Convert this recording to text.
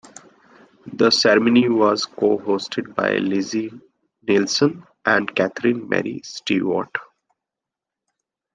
The ceremony was co-hosted by Leslie Nielsen and Catherine Mary Stewart.